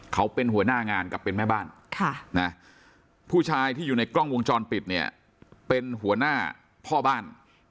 เขาเป็นหัวหน้างานกับเป็นแม่บ้านผู้ชายที่อยู่ในกล้องวงจรปิดเนี่ยเป็นหัวหน้าพ่อบ้าน